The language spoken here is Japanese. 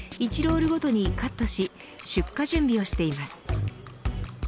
１ロールごとにカットし出荷準備をしています。